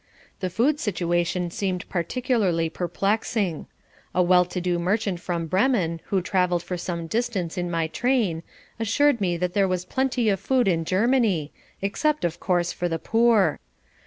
The food situation seemed particularly perplexing. A well to do merchant from Bremen who travelled for some distance in my train assured me that there was plenty of food in Germany, except of course for the poor.